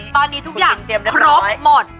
ตอนนี้ทุกอย่างครบหมด